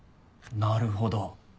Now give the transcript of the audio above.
なるほど。